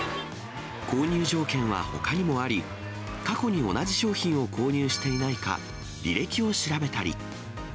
購入条件はほかにもあり、過去に同じ商品を購入していないか、履歴を調べたり。